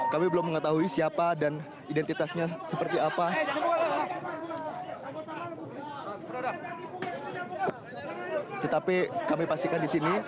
kami akan mengkonfirmasi setelah ini